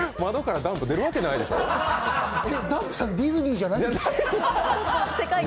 ダンプさんディズニーじゃないんですか？